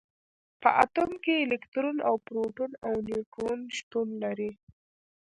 په اتوم کې الکترون او پروټون او نیوټرون شتون لري.